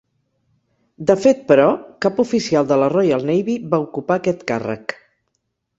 De fet, però, cap oficial de la Royal Navy va ocupar aquest càrrec.